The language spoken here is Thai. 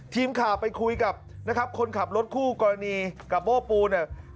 ทีมข่าวไปคุยกับนะครับคนขับรถคู่กรณีกับโบ้ปูเนี่ย